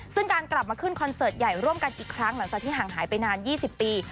ซึ่งการกลับมาขึ้นคอนเสิร์ตใหญ่ร่วมกันอีกครั้งหลังจากที่ห่างหายไปนาน๒๐ปี